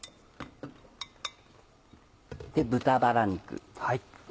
豚バラ肉。